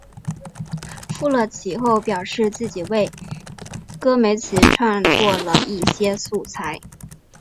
富勒其后表示自己为戈梅兹创作了一些素材。